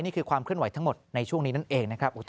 นี่คือความเคลื่อนไหวทั้งหมดในช่วงนี้นั่นเองนะครับ